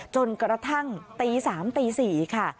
จนกระทั่งตี๓ตี๔ค่ะ